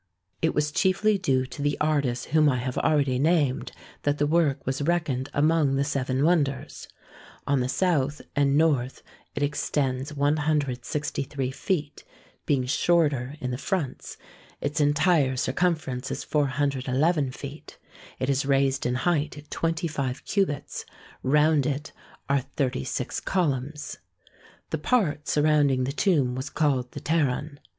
It was chiefly due to the artists whom I have already named that the work was reckoned among the seven wonders. On the south and north it extends 163 feet, being shorter in the fronts; its entire circumference is 411 feet; it is raised in height 25 cubits; round it are thirty six columns. The part surrounding the tomb was called the Pteron.